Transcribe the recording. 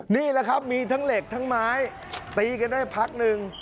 นี่แหละครับมีทั้งเหล็กทั้งไม้ตีกันได้พักหนึ่ง